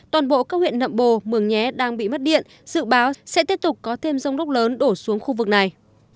toàn bộ các huyện nậm bồ mường nhé đang bị mất điện dự báo sẽ tiếp tục có thêm rông lốc lớn đổ xuống khu vực này